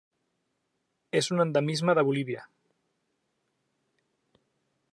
És un endemisme de Bolívia.